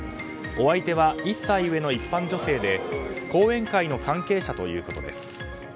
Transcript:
お相手は１歳上の一般女性で後援会の関係者ということです。